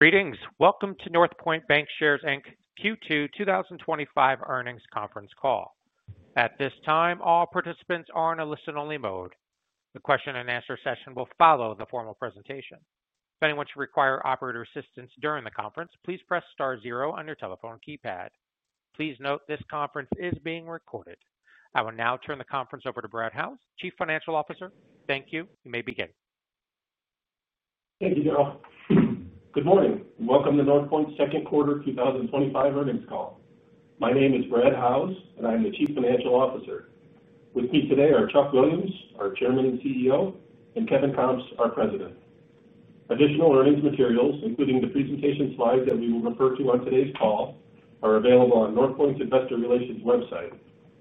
Greetings. Welcome to Northpointe Bancshares, Inc. Q2 2025 earnings conference call. At this time, all participants are in a listen-only mode. The question and answer session will follow the formal presentation. If anyone should require operator assistance during the conference, please press star zero on your telephone keypad. Please note this conference is being recorded. I will now turn the conference over to Bradley Howes, Chief Financial Officer. Thank you. You may begin. Thank you, John. Good morning. Welcome to Northpointe's second quarter 2025 earnings call. My name is Bradley Howes, and I am the Chief Financial Officer. With me today are Chuck Williams, our Chairman and CEO, and Kevin Comps, our President. Additional earnings materials, including the presentation slides that we will refer to on today's call, are available on Northpointe's Investor Relations website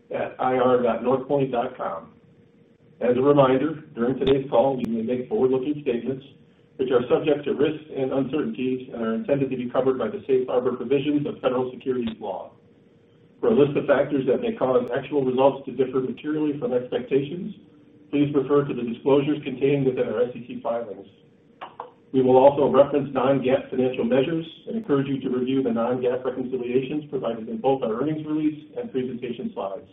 at ir.northpointe.com. As a reminder, during today's call, we may make forward-looking statements, which are subject to risk and uncertainty and are intended to be covered by the safe harbor provisions of Federal Securities Law. For a list of factors that may cause actual results to differ materially from expectations, please refer to the disclosures contained within our SEC filings. We will also reference non-GAAP financial measures and encourage you to review the non-GAAP reconciliations provided in both our earnings release and presentation slides.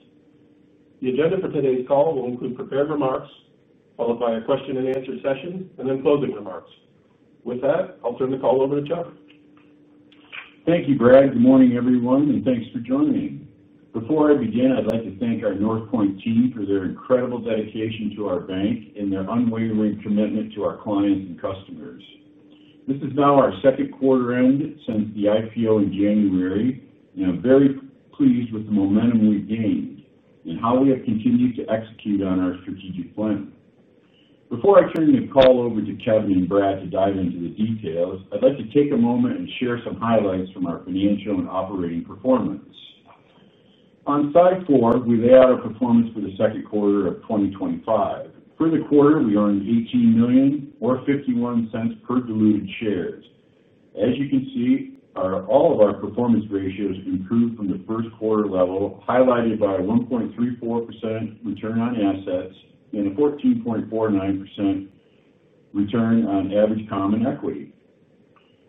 The agenda for today's call will include prepared remarks, followed by a question and answer session, and then closing remarks. With that, I'll turn the call over to John. Thank you, Bradley. Good morning, everyone, and thanks for joining. Before I begin, I'd like to thank our Northpointe team for their incredible dedication to our bank and their unwavering commitment to our clients and customers. This is now our second quarter end since the IPO in January, and I'm very pleased with the momentum we've gained and how we have continued to execute on our strategic plan. Before I turn the call over to Kevin and Bradley to dive into the details, I'd like to take a moment and share some highlights from our financial and operating performance. On slide four, we lay out our performance for the second quarter of 2025. For the quarter, we earned $18 million or $0.51 per diluted share. As you can see, all of our performance ratios improved from the first quarter level, highlighted by a 1.34% return on assets and a 14.49% return on average common equity.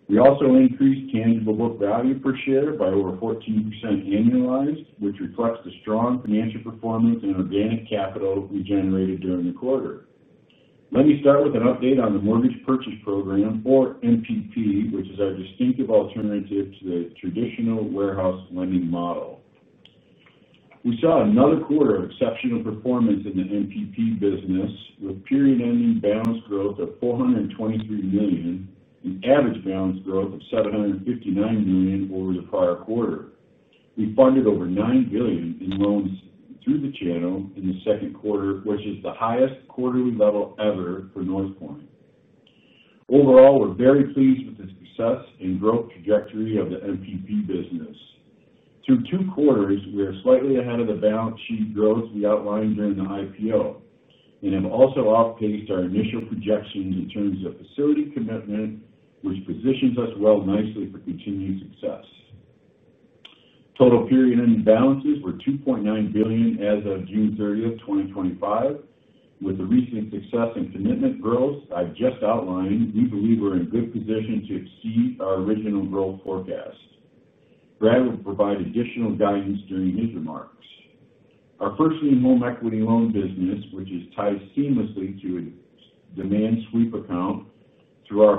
We also increased tangible book value per share by over 14% annualized, which reflects the strong financial performance and organic capital we generated during the quarter. Let me start with an update on the Mortgage Purchase Program, or MPP, which is our distinctive alternative to the traditional warehouse lending model. We saw another quarter of exceptional performance in the MPP business, with a period-ending balance growth of $423 million and an average balance growth of $759 million over the prior quarter. We funded over $9 billion in loans through the channel in the second quarter, which is the highest quarterly level ever for Northpointe. Overall, we're very pleased with the success and growth trajectory of the MPP business. Through two quarters, we are slightly ahead of the balance sheet growth we outlined during the IPO and have also outpaced our initial projections in terms of facility commitment, which positions us nicely for continued success. Total period-ending balances were $2.9 billion as of June 30, 2025. With the recent success and commitment growth I just outlined, we believe we're in a good position to exceed our original growth forecast. Brad will provide additional guidance during these remarks. Our first-lien home equity loan business, which is tied seamlessly to a demand sweep account through our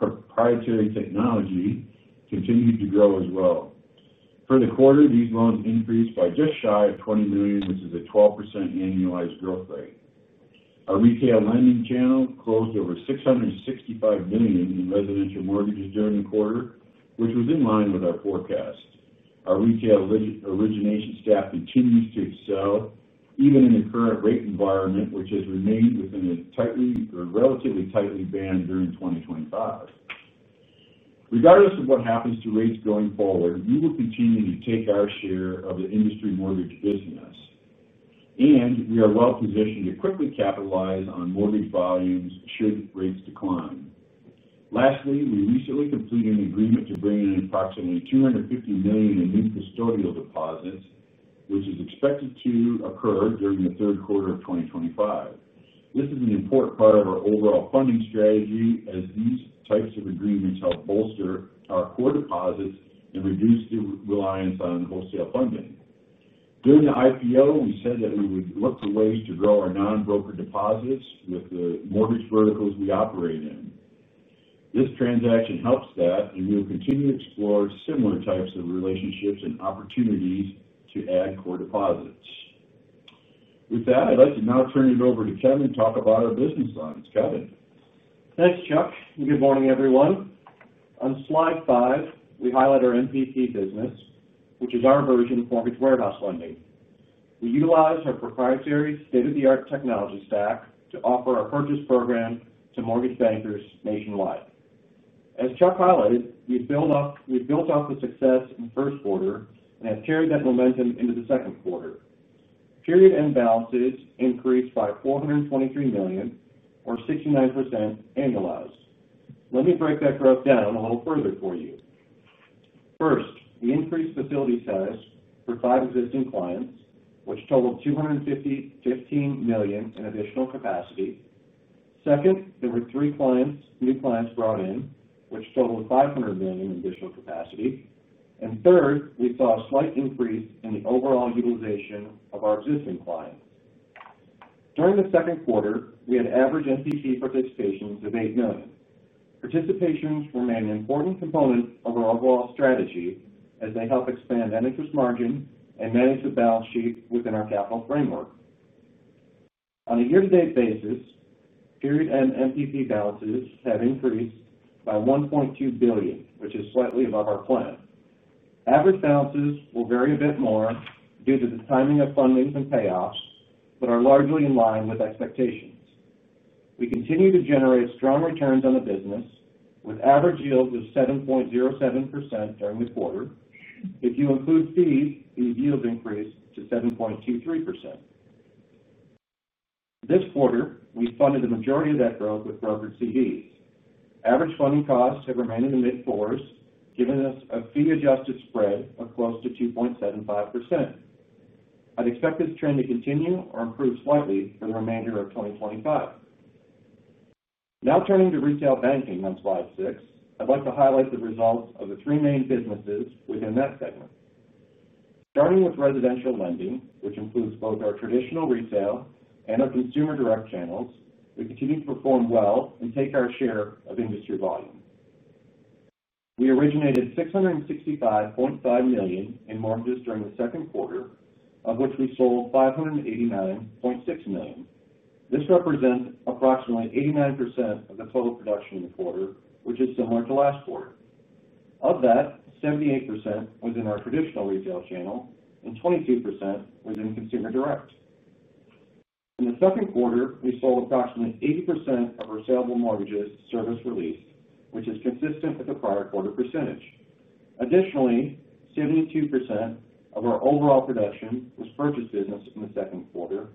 proprietary technology, continues to grow as well. For the quarter, these loans increased by just shy of $20 million, which is a 12% annualized growth rate. Our retail lending channel closed over $665 million in residential mortgages during the quarter, which was in line with our forecast. Our retail origination staff continues to excel, even in the current rate environment, which has remained within a relatively tight band during 2025. Regardless of what happens to rates going forward, we will continue to take our share of the industry mortgage business, and we are well positioned to quickly capitalize on mortgage volumes should rates decline. Lastly, we recently completed an agreement to bring in approximately $250 million in new Custodial Deposits, which is expected to occur during the third quarter of 2025. This is an important part of our overall funding strategy, as these types of agreements help bolster our core deposits and reduce the reliance on wholesale funding. During the IPO, we said that we would look for ways to grow our non-broker deposits with the mortgage verticals we operate in. This transaction helps that, and we will continue to explore similar types of relationships and opportunities to add core deposits. With that, I'd like to now turn it over to Kevin to talk about our business lines. Kevin. Thanks, Chuck. Good morning, everyone. On slide five, we highlight our MPP business, which is onboarding and project warehouse lending. We utilize our proprietary state-of-the-art technology stack to offer our purchase program to mortgage bankers nationwide. As Chuck highlighted, we built off the success in the first quarter and have carried that momentum into the second quarter. Period-end balances increased by $423 million, or 69% annualized. Let me break that graph down a little further for you. First, we increased facility size for five existing clients, which totaled $215 million in additional capacity. Second, there were three clients, new clients brought in, which totaled $500 million in additional capacity. Third, we saw a slight increase in the overall utilization of our existing clients. During the second quarter, we had average MPP participations of $8 million. Participations remain an important component of our overall strategy, as they help expand that interest margin and manage the balance sheet within our capital framework. On a year-to-date basis, period-end MPP balances have increased by $1.2 billion, which is slightly above our plan. Average balances will vary a bit more due to the timing of funding and payoffs, but are largely in line with expectations. We continue to generate strong returns on the business, with average yields of 7.07% during the quarter. If you include fees, yields increased to 7.23%. This quarter, we funded the majority of that growth with Brokered CDs. Average funding costs have remained in the mid-fours, giving us a fee-adjusted spread of close to 2.75%. I'd expect this trend to continue or improve slightly for the remainder of 2025. Now turning to retail banking on slide six, I'd like to highlight the results of the three main businesses within that segment. Starting with residential lending, which includes both our traditional retail and our consumer direct channels, we continue to perform well and take our share of industry volume. We originated $665.5 million in mortgages during the second quarter, of which we sold $589.6 million. This represents approximately 89% of the total production in the quarter, which is similar to last quarter. Of that, 78% was in our traditional retail channel and 22% was in consumer direct. In the second quarter, we sold approximately 80% of our saleable mortgages service released, which is consistent with the prior quarter percentage. Additionally, 72% of our overall production was purchased business in the second quarter,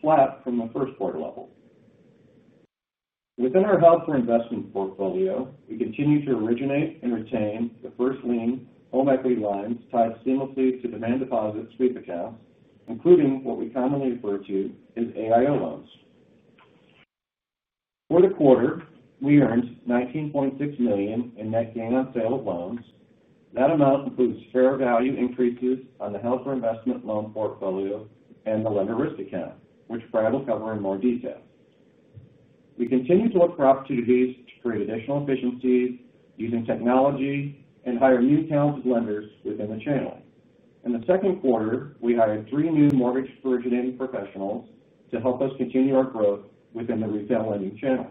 flat from the first quarter level. Within our Healthcare Investment Portfolio, we continue to originate and retain the first-lien home equity lines tied seamlessly to demand deposit sweep accounts, including what we commonly refer to as AIO loans. For the quarter, we earned $19.6 million in net gain on sale of loans. That amount includes share value increases on the healthcare investment loan portfolio and the Lender Risk Account, which Bradley will cover in more detail. We continue to look for opportunities to create additional efficiencies using technology and hire new talented lenders within the channel. In the second quarter, we hired three new mortgage originating professionals to help us continue our growth within the retail lending channel.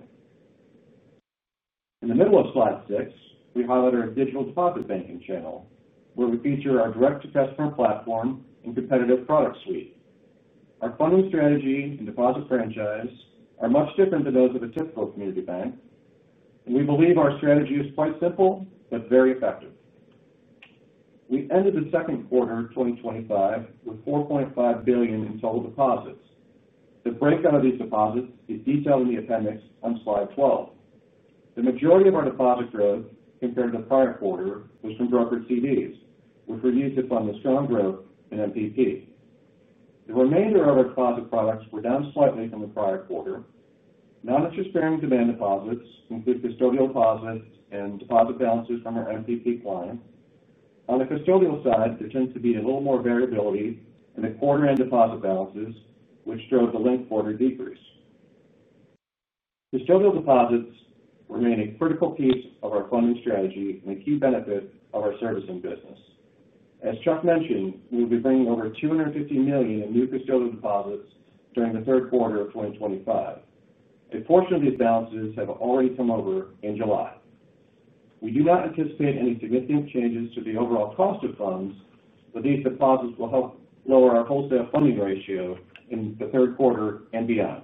In the middle of slide six, we highlight our digital deposit banking channel, where we feature our direct-to-customer platform and competitive product suite. Our funding strategy and deposit franchise are much different than those of a typical community bank. We believe our strategy is quite simple but very effective. We ended the second quarter of 2025 with $4.5 billion in total deposits. The breakdown of these deposits is detailed in the appendix on slide 12. The majority of our deposit growth compared to the prior quarter was from Brokered CDs, which we used to fund the strong growth in MPP. The remainder of our deposit products were down slightly from the prior quarter. Non-interest-bearing demand deposits include Custodial Deposits and deposit balances from our MPP clients. On the custodial side, there tends to be a little more variability in the quarter-end deposit balances, which showed the late quarter decrease. Custodial Deposits remain a critical piece of our funding strategy and a key benefit of our servicing business. As Chuck mentioned, we'll be bringing over $250 million in new Custodial Deposits during the third quarter of 2025. A portion of these balances have already come over in July. We do not anticipate any significant changes to the overall cost of funds, but these deposits will help lower our wholesale funding ratio in the third quarter and beyond.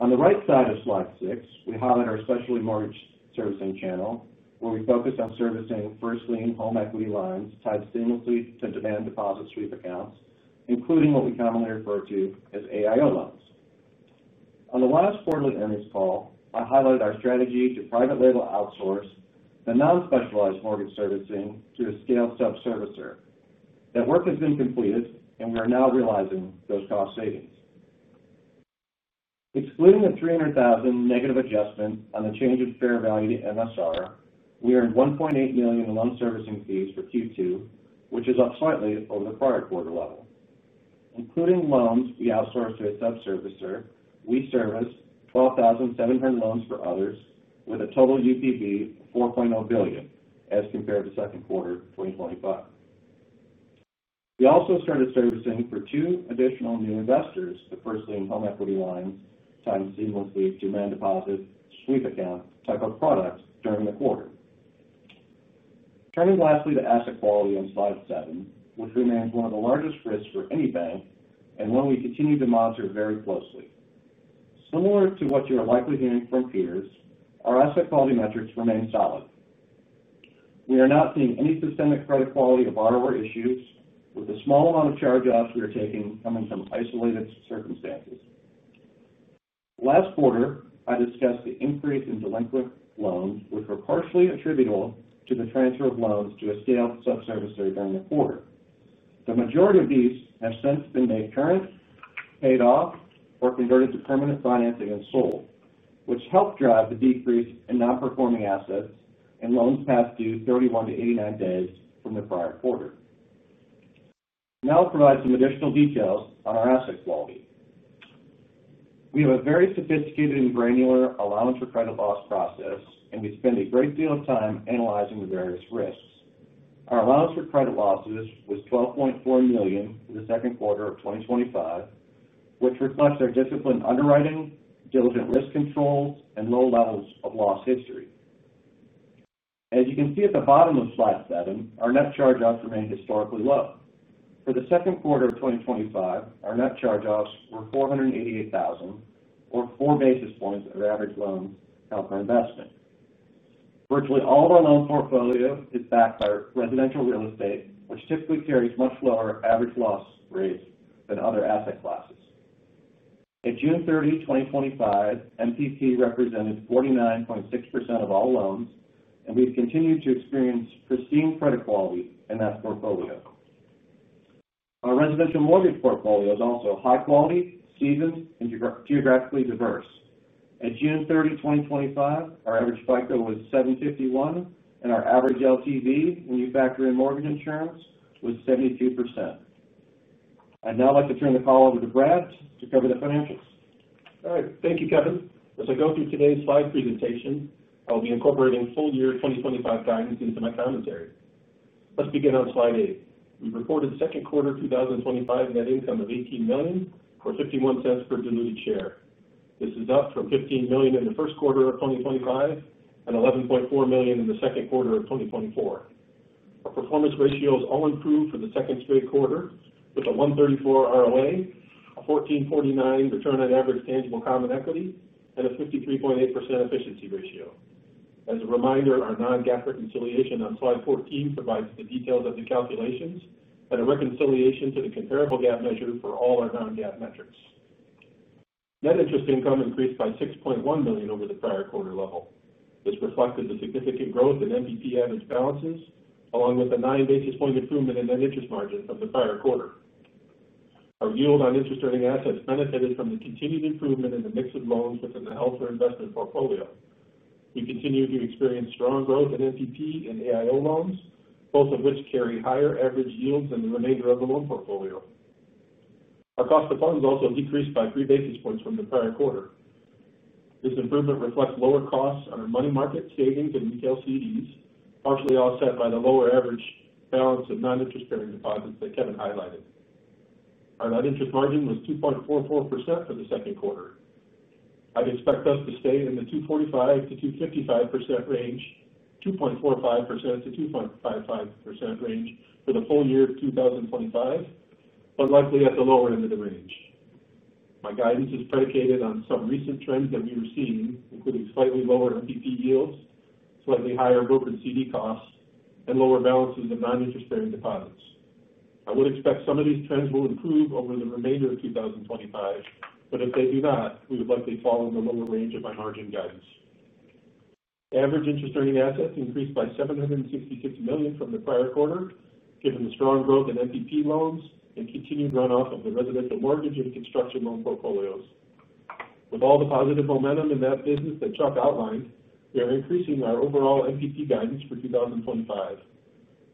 On the right side of slide six, we highlight our specialty mortgage servicing channel, where we focus on servicing first-lien home equity lines tied seamlessly to demand deposit sweep accounts, including what we commonly refer to as AIO loans. On the last quarter of this call, I highlighted our strategy to private-label outsource the non-specialized mortgage servicing to a skilled self-servicer. That work has been completed, and we are now realizing those cost savings. Excluding a $300,000 negative adjustment on the change in fair value to MSR, we earned $1.8 million in loan servicing fees for Q2, which is up slightly over the prior quarter level. Including loans we outsource to a self-servicer, we service 12,700 loans for others, with a total UPB of $4.0 billion as compared to the second quarter of 2025. We also started servicing for two additional new investors, the first-lien home equity lines tied seamlessly to demand sweep account-type of products during the quarter. Coming lastly, the asset quality on slide seven, which remains one of the largest risks for any bank and one we continue to monitor very closely. Similar to what you are likely hearing from peers, our asset quality metrics remain solid. We are not seeing any systemic credit quality or borrower issues, with the small amount of charge-offs we are taking coming from isolated circumstances. Last quarter, I discussed the increase in delinquent loans, which were partially attributable to the transfer of loans to a skilled self-servicer during the quarter. The majority of these have since been made current, paid off, or converted to permanent financing and sold, which helped drive the decrease in non-performing assets and loans past due 31 to 89 days from the prior quarter. Now I'll provide some additional details on our asset quality. We have a very sophisticated and granular Allowance for Credit Losses process, and we spend a great deal of time analyzing the various risks. Our Allowance for Credit Losses was $12.4 million in the second quarter of 2025, which reflects our disciplined underwriting, diligent risk control, and low levels of loss history. As you can see at the bottom of slide seven, our net charge-offs remain historically low. For the second quarter of 2025, our net charge-offs were $488,000, or 4 bps of average loan out of investment. Virtually all of our loan portfolio is backed by residential real estate, which typically carries much lower average loss rates than other asset classes. At June 30, 2025, MPP represented 49.6% of all loans, and we've continued to experience pristine credit quality in that portfolio. Our residential mortgage portfolio is also high quality, seasoned, and geographically diverse. At June 30, 2025, our average FICO was 751, and our average LTV when you factor in mortgage insurance was 72%. I'd now like to turn the call over to Bradley to cover the financials. All right. Thank you, Kevin. As I go through today's slide presentation, I will be incorporating full-year 2025 guidance into my commentary. Let's begin on slide eight. We've reported the second quarter of 2025 net income of $18 million or $0.51 per diluted share. This is up from $15 million in the first quarter of 2025 and $11.4 million in the second quarter of 2024. Our performance ratios all improved for the second straight quarter, with a 1.34% ROA, a 14.49% return on average tangible common equity, and a 53.8% efficiency ratio. As a reminder, our non-GAAP reconciliation on slide 14 provides the details of the calculations and a reconciliation to the comparable GAAP measure for all our non-GAAP metrics. Net interest income increased by $6.1 million over the prior quarter level. This reflects the significant growth in MPP average balances, along with a nine basis point improvement in net interest margin from the prior quarter. Our yield on interest earning assets benefited from the continued improvement in the mix of loans within the Healthcare Investment Portfolio. We continue to experience strong growth in MPP and AIO loans, both of which carry higher average yields than the remainder of the loan portfolio. Our cost of funds also decreased by three basis points from the prior quarter. This improvement reflects lower costs on our money market savings and retail CDs, partially offset by the lower average balance of non-interest earning deposits that Kevin highlighted. Our net interest margin was 2.44% for the second quarter. I'd expect us to stay in the 2.45% to 2.55% range for the full year of 2025, but likely at the lower end of the range. My guidance is predicated on some recent trends that we've seen, including slightly lower MPP yields, slightly higher brokered CD costs, and lower balances of non-interest earning deposits. I would expect some of these trends will improve over the remainder of 2025, but if they do not, we would likely fall in the lower range of my margin guidance. Average interest earning assets increased by $766 million from the prior quarter, given the strong growth in MPP loans and continued runoff of the residential mortgage and construction loan portfolios. With all the positive momentum in that business that Chuck outlined, we are increasing our overall MPP guidance for 2025.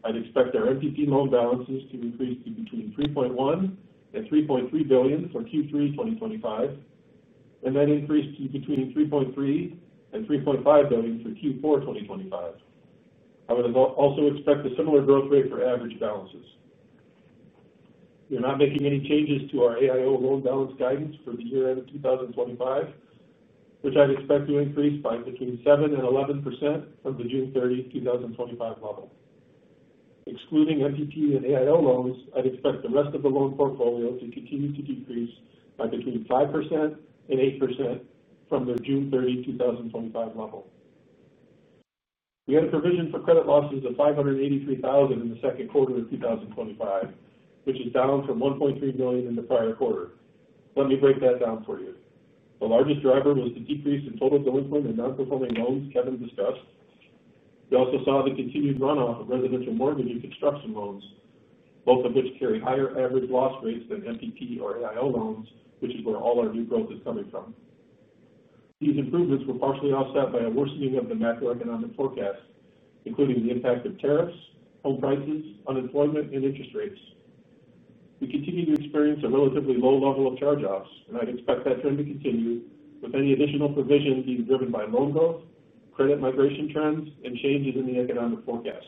I'd expect our Mortgage Purchase Program (MPP) loan balances to increase between $3.1 billion and $3.3 billion for Q3 2025, and that increase to between $3.3 billion and $3.5 billion for Q4 2025. I would also expect a similar growth rate for average balances. We are not making any changes to our AIO loan balance guidance for the year end of 2025, which I'd expect to increase by between 7% and 11% from the June 30, 2025 level. Excluding MPP and AIO loans, I'd expect the rest of the loan portfolio to continue to decrease by between 5% and 8% from the June 30, 2025 level. We had a provision for credit losses of $583,000 in the second quarter of 2025, which is down from $1.3 million in the prior quarter. Let me break that down for you. A larger driver is the decrease in total delinquent and non-performing loans Kevin discussed. We also saw the continued runoff of residential mortgage and construction loans, both of which carry higher average loss rates than MPP or AIO loans, which is where all our new growth is coming from. These improvements were partially offset by a worsening of the macroeconomic forecast, including the impact of tariffs, home prices, unemployment, and interest rates. We continue to experience a relatively low level of charge-offs, and I expect that trend to continue with any additional provision being driven by loan growth, credit migration trends, and changes in the economic forecast.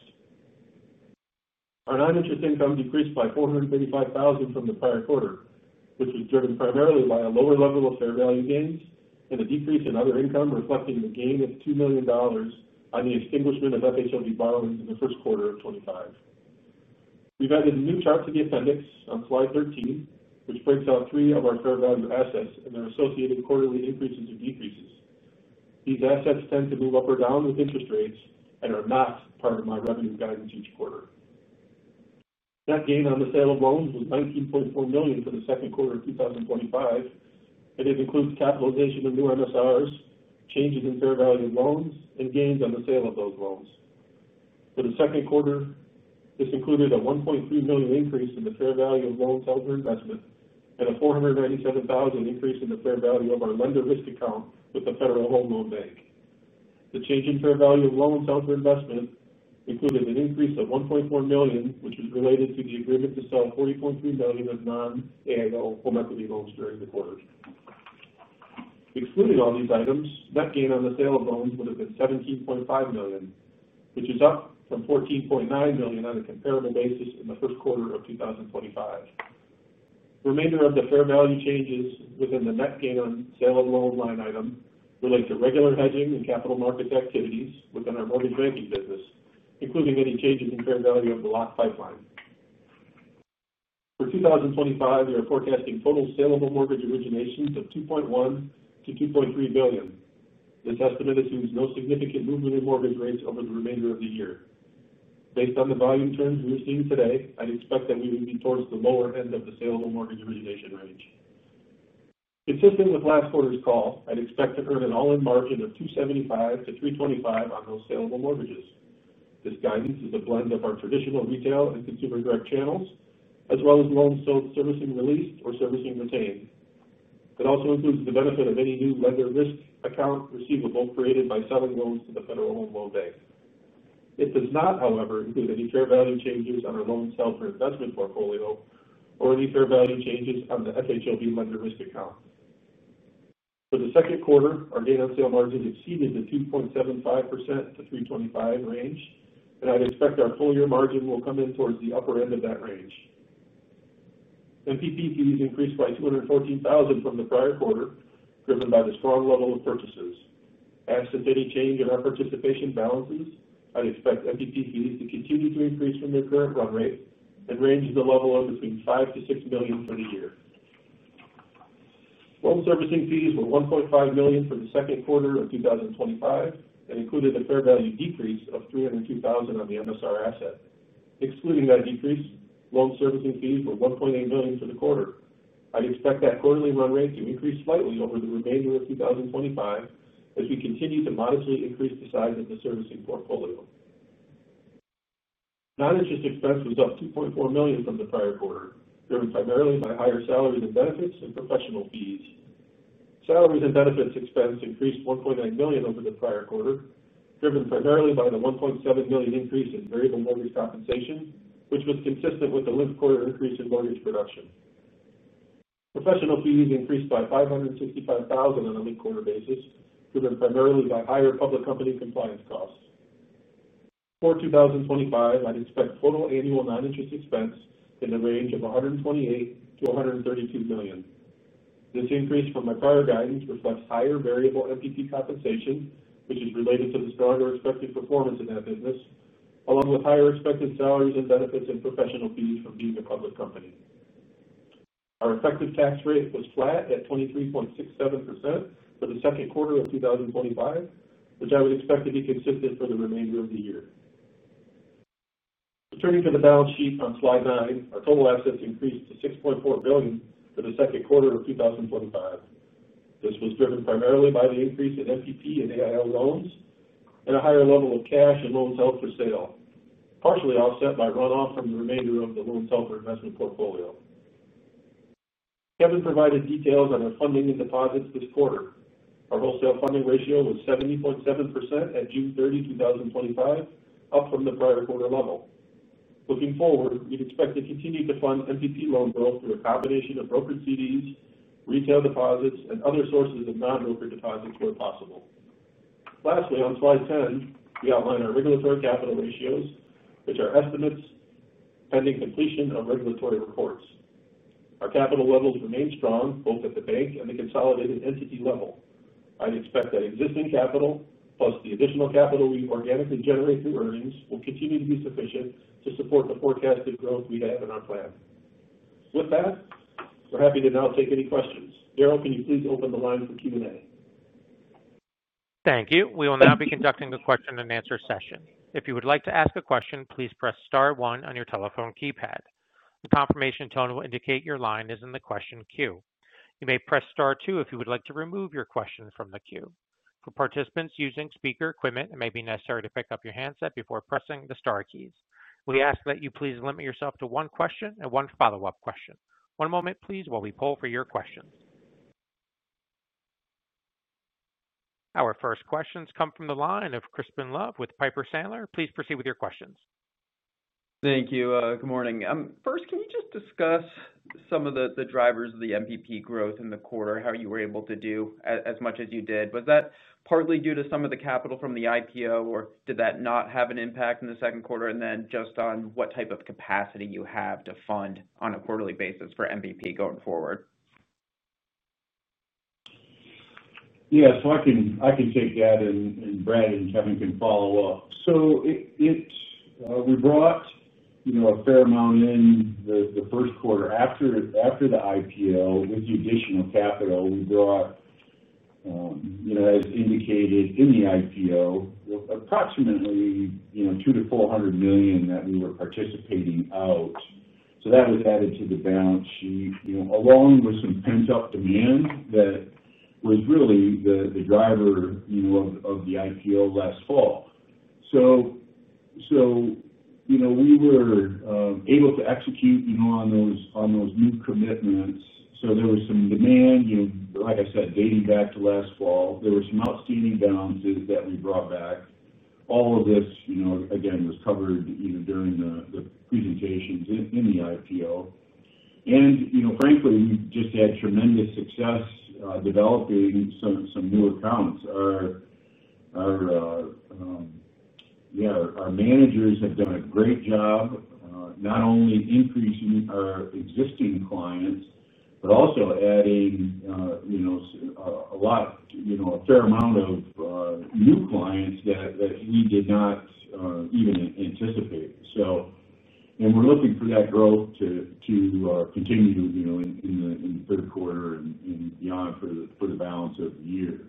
Our non-interest income decreased by $435,000 from the prior quarter, which was driven primarily by a lower level of fair value gains and a decrease in other income, reflecting a gain of $2 million on the extinguishment of Federal Home Loan Bank borrowing in the first quarter of 2025. We've added news out to the appendix on slide 13, which prints out three of our fair value assets and their associated quarterly increases and decreases. These assets tend to move up or down with interest rates and are not part of my revenue guidance each quarter. Net gain on the sale of loans was $19.4 million for the second quarter of 2025. It includes capitalization of new MSRs, changes in fair value of loans, and gains on the sale of those loans. For the second quarter, it included a $1.3 million increase in the fair value of loans to healthcare investment and a $497,000 increase in the fair value of our Lender Risk Account with the Federal Home Loan Bank. The change in fair value of loans to healthcare investment included an increase of $1.4 million, which is related to the agreement to sell $40.3 million of non-AIO home equity loans during the quarter. Excluding all these items, net gain on the sale of loans would have been $17.5 million, which is up from $14.9 million on a comparable basis in the first quarter of 2025. The remainder of the fair value changes within the net gain on sale of loans line item relate to regular hedging and capital market activities within our mortgage banking business, including an engaging in fair value of the locked pipeline. For 2025, we are forecasting total saleable mortgage origination to $2.1 to $2.3 billion. This estimate assumes no significant movement in mortgage rates over the remainder of the year. Based on the volume trends we're seeing today, I'd expect that we would be towards the lower end of the saleable mortgage origination range. Consistent with last quarter's call, I'd expect to earn an all-in margin of 275 to 325 bps on those saleable mortgages. This guidance is a blend of our traditional retail and consumer direct channels, as well as loans to servicing release or servicing retain. It also includes the benefit of any new Lender Risk Account receivable created by selling loans to the Federal Home Loan Bank. It does not, however, include any fair value changes on our loans to Healthcare Investment Portfolio or any fair value changes on the FHLB Lender Risk Account. For the second quarter, our date-of-sale margin exceeded the 2.75% to 3.25% range, and I'd expect our whole-year margin will come in towards the upper end of that range. MPP fees increased by $214,000 from the prior quarter, driven by the strong level of purchases. As to any change in our participation balances, I'd expect MPP fees to continue to increase from their current run rate and range to the level of between $5 to $6 million for the year. Loan servicing fees were $1.5 million for the second quarter of 2025 and included a fair value decrease of $302,000 on the MSR asset. Excluding that decrease, loan servicing fees were $1.8 million for the quarter. I'd expect that quarterly run rate to increase slightly over the remainder of 2025 as we continue to modestly increase the size of the servicing portfolio. Non-interest expense was up $2.4 million from the prior quarter, driven primarily by higher salaries and benefits and professional fees. Salaries and benefits expense increased $1.8 million over the prior quarter, driven primarily by the $1.7 million increase in variable mortgage compensation, which was consistent with the left quarter increase in mortgage production. Professional fees increased by $565,000 on a leap quarter basis, driven primarily by higher public company compliance costs. For 2025, I'd expect total annual non-interest expense in the range of $128 to $132 million. This increase from my prior guidance reflects higher variable MPP compensation, which is related to the stronger expected performance in that business, along with higher expected salaries and benefits and professional fees from being a public company. Our effective tax rate was flat at 23.67% for the second quarter of 2025, which I would expect to be consistent for the remainder of the year. Returning to the balance sheet on slide nine, our total assets increased to $6.4 billion for the second quarter of 2025. This was driven primarily by the increase in MPP and AIO loans and a higher level of cash in loans out for sale, partially offset by runoff from the remainder of the loans to Healthcare Investment Portfolio. Kevin provided details on our funding and deposits this quarter. Our wholesale funding ratio was 70.7% at June 30, 2025, up from the prior quarter level. Looking forward, we'd expect to continue to fund MPP loan growth through a combination of Brokered CDs, retail deposits, and other sources of non-brokered deposits where possible. Lastly, on slide 10, we outline our regulatory capital ratios, which are estimates pending completion of regulatory reports. Our capital levels remain strong, both at the bank and the consolidated entity level. I'd expect that existing capital, plus the additional capital we organically generate through earnings, will continue to be sufficient to support the forecasted growth we have in our plan. With that, we're happy to now take any questions. Directly, can you please open the line for Q&A? Thank you. We will now be conducting the Question and Answer session. If you would like to ask a question, please press star one on your telephone keypad. The confirmation tone will indicate your line is in the question queue. You may press star two if you would like to remove your question from the queue. For participants using speaker equipment, it may be necessary to pick up your handset before pressing the star keys. We ask that you please limit yourself to one question and one follow-up question. One moment, please, while we pull for your questions. Our first questions come from the line of Crispin Love with Piper Sandler. Please proceed with your questions. Thank you. Good morning. First, can you just discuss some of the drivers of the MPP growth in the quarter, how you were able to do as much as you did? Was that partly due to some of the capital from the IPO, or did that not have an impact in the second quarter? On what type of capacity you have to fund on a quarterly basis for MPP going forward. Yeah, I can take that and Brad and Kevin can follow up. We brought a fair amount in the first quarter after the IPO with the additional capital. We brought, as indicated in the IPO, approximately $200 million to $400 million that we were participating out. That was added to the balance sheet along with some pent-up demand that was really the driver of the IPO last fall. We were able to execute on those new commitments. There was some demand, like I said, dating back to last fall. There were some outstanding balances that we brought back. All of this was covered during the presentations in the IPO. Frankly, we've just had tremendous success developing some new accounts. Our managers have done a great job, not only increasing our existing clients, but also adding a fair amount of new clients that we did not even anticipate. We're looking for that growth to continue in the third quarter and beyond for the balance of the year.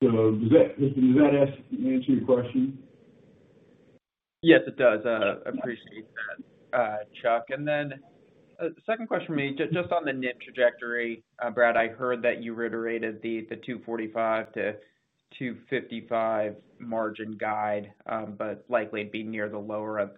Does that answer your question? Yes, it does. I appreciate that, Chuck. The second question for me, just on the NIM trajectory, Bradley, I heard that you reiterated the 245 to 255 margin guide, but likely it'd be near the lower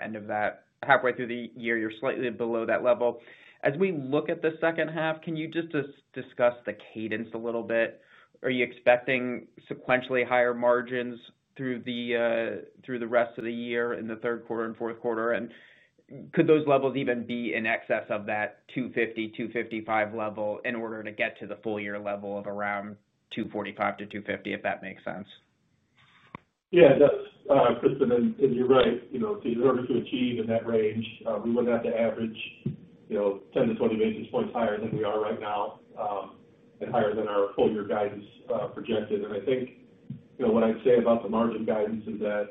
end of that. Halfway through the year, you're slightly below that level. As we look at the second half, can you just discuss the cadence a little bit? Are you expecting sequentially higher margins through the rest of the year in the third quarter and fourth quarter? Could those levels even be in excess of that 250, 255 level in order to get to the full-year level of around 245 to 250, if that makes sense? Yeah, that's Crispin, and you're right. In order to achieve in that range, we would have to average 10 to 20 basis points higher than they are right now, and higher than our full-year guidance projected. What I'd say about the margin guidance is that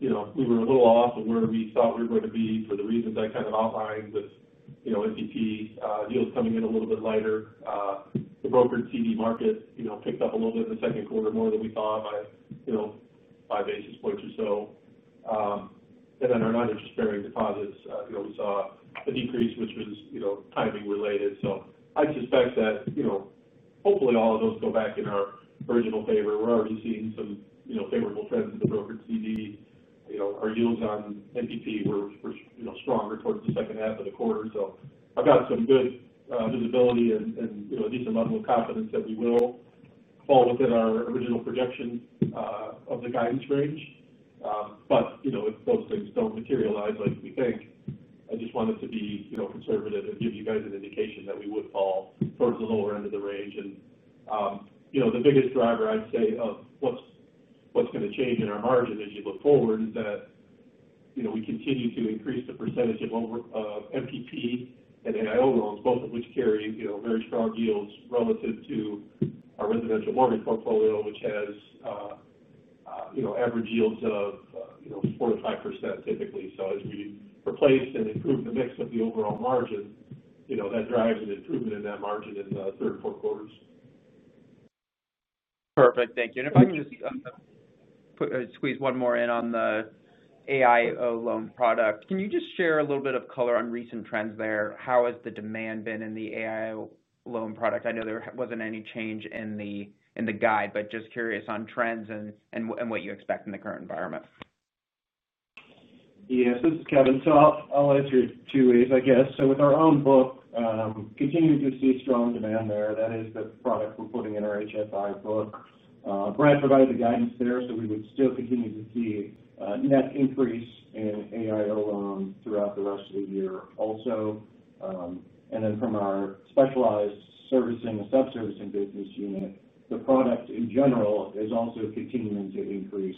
we were a little off of where we thought we were going to be for the reasons I kind of outlined with MPP deals coming in a little bit lighter. The brokered CD market picked up a little bit in the second quarter more than we thought by five basis points or so, and then our non-interest earning deposits, we saw a decrease, which was kind of related. I'd suspect that hopefully all of those go back in our original favor. We're already seeing some favorable trends in the brokered CD. Our yields on MPP were strong recorded the second half of the quarter. I've got some good visibility and a decent level of confidence that we will fall within our original projection of the guidance range. If those things don't materialize like we think, I just want it to be conservative and give you guys an indication that we would fall towards the lower end of the range. The biggest driver I'd say of what's going to change in our margin as you look forward is that we continue to increase the percentage of MPP and AIO loans, both of which carry, you know, marriage comp yields relative to our residential mortgage portfolio, which has average yields of 4 to 5% typically. As we replace and improve the mix of the overall margin, that drives an improvement in that margin in the third and fourth quarters. Perfect. Thank you. If I can just squeeze one more in on the AIO loan product, can you just share a little bit of color on recent trends there? How has the demand been in the AIO loan product? I know there wasn't any change in the guide, but just curious on trends and what you expect in the current environment. Yeah, this is Kevin. I'll answer it two ways, I guess. With our own book, continue to see strong demand there. That is the product we're putting in our HSI book. Bradley provided the guidance there, so we would still continue to see an increase in AIO loans throughout the rest of the year. Also, from our specialized servicing and sub-servicing business unit, the product in general is also continuing to increase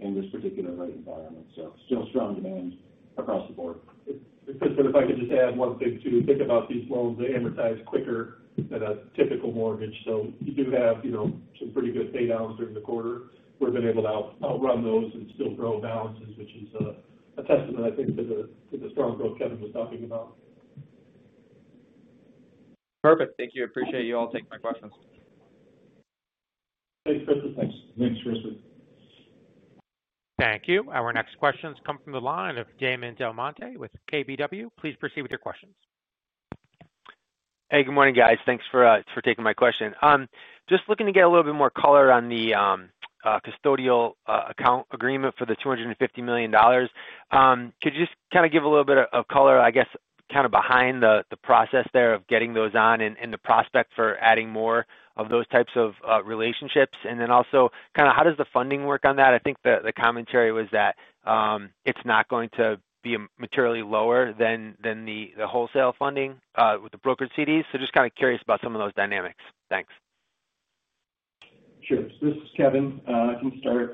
in this particular environment. Still strong demand across the board. It's good for the fact that you said I'm more likely to think about these loans and the size quicker than a typical mortgage. You do have some pretty good paydowns in the quarter. We've been able to outrun those and still grow balances, which is a testament, I think, to the strong growth Kevin was talking about. Perfect. Thank you. Appreciate you all taking my questions. Thanks, Chuck. Thanks, Kevin. Thank you. Our next questions come from the line of Damon DelMonte with KBW. Please proceed with your questions. Hey, good morning, guys. Thanks for taking my question. Just looking to get a little bit more color on the custodial account agreement for the $250 million. Could you just kind of give a little bit of color, I guess, kind of behind the process there of getting those on and the prospect for adding more of those types of relationships? Also, kind of how does the funding work on that? I think the commentary was that it's not going to be materially lower than the wholesale funding with the Brokered CDs. Just kind of curious about some of those dynamics. Thanks. Sure. This is Kevin. I can start.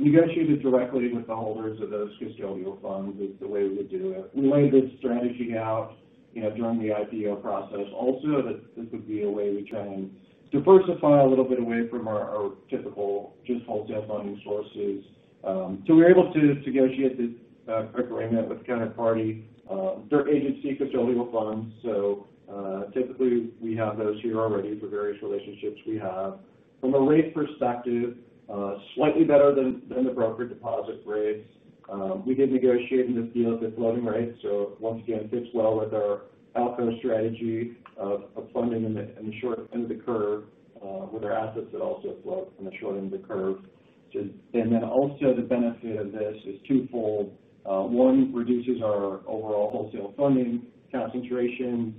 Negotiated directly with the holders of those custodial funds is the way we do it. We laid this strategy out during the IPO process. Also, that this would be a way we try to divorce the fund a little bit away from our typical just wholesale funding sources. We were able to negotiate this quick agreement with kind of party third agency custodial funds. Typically, we have those who are ready for various relationships we have. From a rate perspective, slightly better than the brokered deposit rate. We did negotiate a few of the floating rates. Once again, it fits well with our outcome strategy of funding and ensuring through the curve, with our assets that also float and ensuring the curve. The benefit of this is twofold. One, it reduces our overall wholesale funding concentration.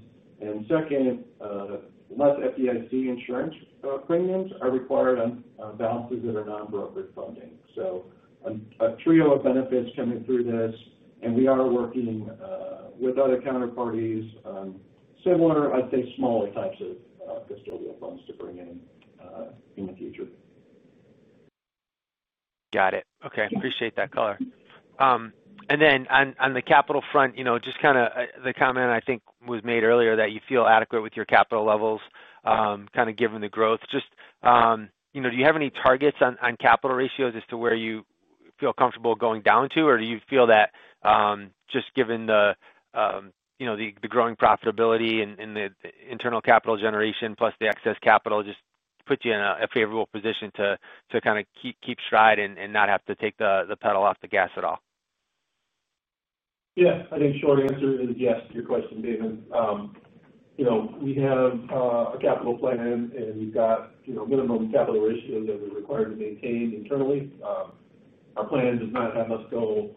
Second, less FDIC insurance premiums are required on balances that are non-brokered funding. A trio of benefits coming through this. We are working with other counterparties on similar, I'd say, smaller types of custodial funds to bring in, in the future. Got it. Okay. Appreciate that Kevin. On the capital front, just kind of the comment I think was made earlier that you feel adequate with your capital levels, kind of given the growth. Do you have any targets on capital ratios as to where you feel comfortable going down to, or do you feel that, just given the growing profitability and the internal capital generation plus the excess capital, just puts you in a favorable position to kind of keep stride and not have to take the pedal off the gas at all? Yeah, I think the short answer is yes to your question, Damon. You know, we have a capital plan, and you've got minimum capital ratios that are required to be maintained internally. Our plan does not have much to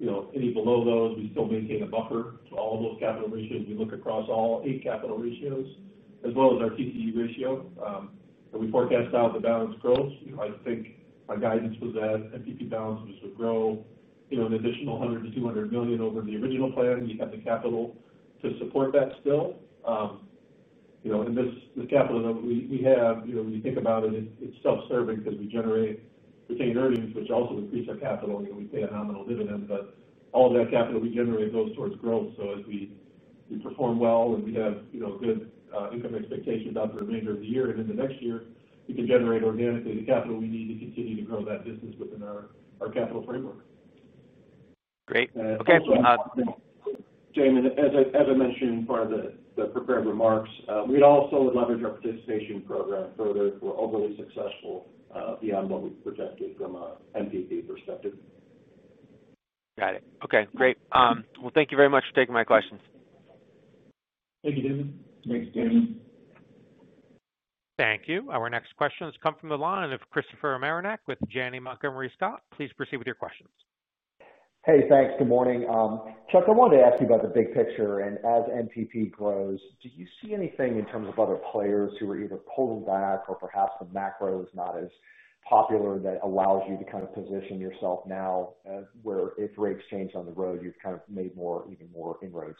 go any below those. We still maintain a buffer to all those capital ratios. You look across all eight capital ratios, as well as our QE ratio, and we forecast out the balance growth. I think our guidance was that MPP balances would grow an additional $100 to $200 million over the original plan. You have the capital to support that still. You know, and this capital that we have, when you think about it, it's self-serving because we generate retained earnings, which also increase our capital. We pay a nominal dividend, but all of that capital we generate goes towards growth. As we perform well and we have good income expectations out for the remainder of the year and into next year, we can generate organically the capital we need to continue to grow that business within our capital framework. Great. Thanks, Kevin. Damon, as I mentioned in part of the prepared remarks, we'd also love your participation program so that we're overly successful beyond what we projected from our MPP. Got it. Okay. Great. Thank you very much for taking my questions. Thank you, Damon. Thanks, Damon. Thank you. Our next questions come from the line of Christopher Marinac with Janney Montgomery Scott. Please proceed with your questions. Hey, thanks. Good morning. Chuck, I wanted to ask you about the big picture. As MPP grows, do you see anything in terms of other players who are either pulling back or perhaps the macro is not as popular that allows you to kind of position yourself now as where if rates change on the road, you've kind of made more even more inroads?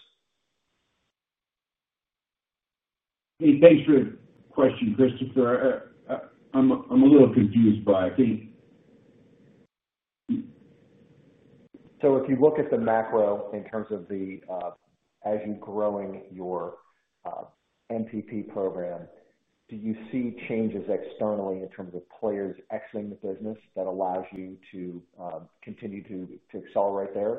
It's an interesting question, Christopher. I'm a little confused by it. If you look at the macro in terms of the, as you're growing your Mortgage Purchase Program, do you see changes externally in terms of players exiting the business that allows you to continue to accelerate there?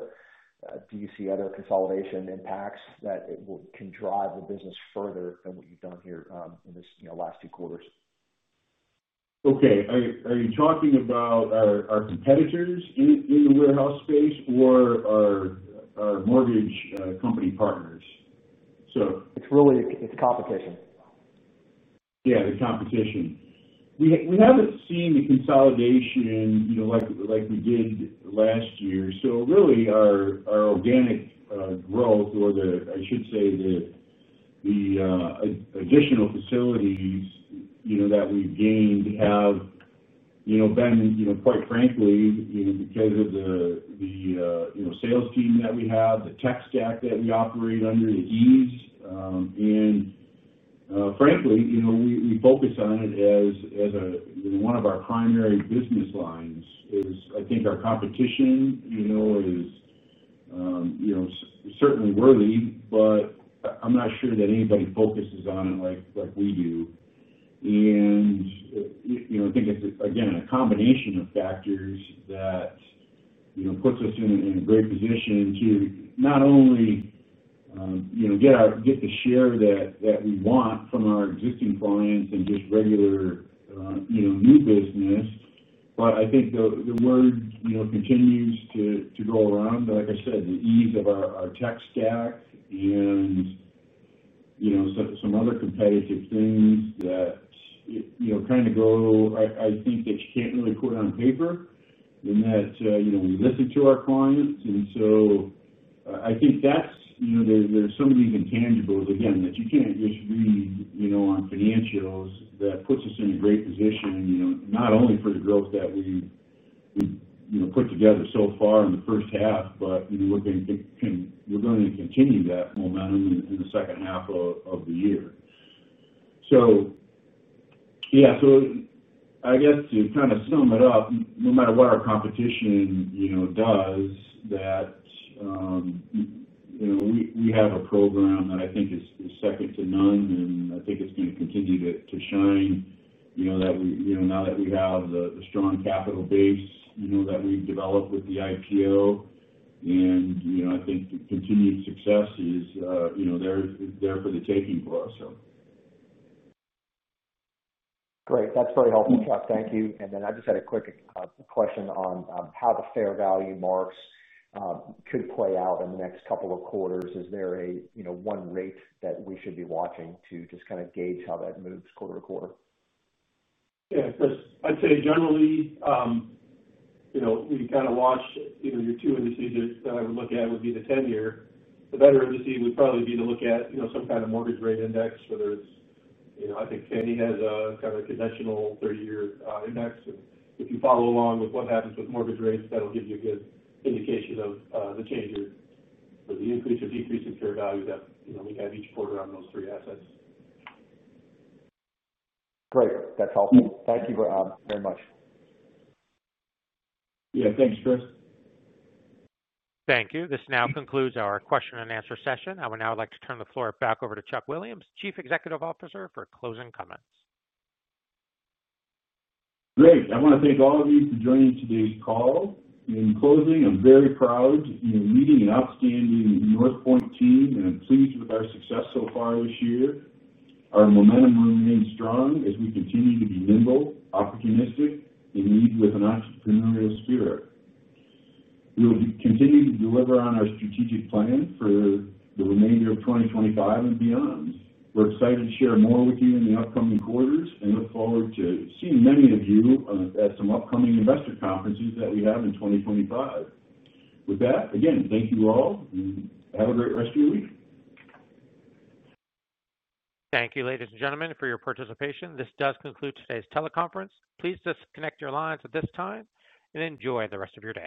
Do you see other consolidation impacts that can drive the business further than what you've done here in this last two quarters? Okay. Are you talking about our competitors in the warehouse space or our mortgage company partners? It's really competition. Yeah, the competition. We haven't seen the consolidation like we did last year. Really, our organic growth, or I should say the additional facilities that we've gained have been, quite frankly, because of the sales team that we have, the tech stack that we operate under, the ease, and, frankly, we focus on it as one of our primary business lines. I think our competition is certainly worthy, but I'm not sure that anybody focuses on it like we do. I think it's, again, a combination of factors that puts us in a great position to not only get the share that we want from our existing clients and just regular new business, but I think the word continues to go around. Like I said, the ease of our tech stack and some other competitive things that, I think, you can't really quote on paper in that we listen to our clients. I think there's so many intangibles, again, that you can't just read on financials that puts us in a great position, not only for the growth that we've put together so far in the first half, but we're going to continue that momentum in the second half of the year. I guess to kind of sum it up, no matter what our competition does, we have a program that I think is second to none, and I think it's going to continue to shine, now that we have a strong capital base that we've developed with the IPO. I think continued success is there for the taking for us. Great. That's really helpful, Chuck. Thank you. I just had a quick question on how the fair value marks could play out in the next couple of quarters. Is there a, you know, one rate that we should be watching to just kind of gauge how that moves quarter to quarter? I'd say generally, you kind of watch your two indices that I would look at would be the 10-year. The better index would probably be to look at some kind of mortgage rate index for those. I think Fannie Mae has a kind of a conventional 30-year index. If you follow along with what happens with mortgage rates, that'll give you a good indication of the changes or the increase or decrease in fair value that we have each quarter on those three assets. Great. That's helpful. Thank you very much. Yeah, thanks, Chris. Thank you. This now concludes our Question and answer session. I would now like to turn the floor back over to Chuck Williams, Chief Executive Officer, for closing comments. Great. I want to thank all of you for joining today's call. In closing, I'm very proud in leading an outstanding Northpointe team and seeing our success so far this year. Our momentum will remain strong as we continue to be nimble, opportunistic, and lead with an entrepreneurial spirit. We will continue to deliver on our strategic plan for the remainder of 2025 and beyond. We're excited to share more with you in the upcoming quarters and look forward to seeing many of you at some upcoming investor conferences that we have in 2025. With that, again, thank you all and have a great rest of your week. Thank you, ladies and gentlemen, for your participation. This does conclude today's teleconference. Please disconnect your lines at this time and enjoy the rest of your day.